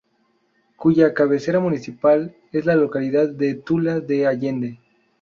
Cuya cabecera municipal es la localidad de Tula de Allende.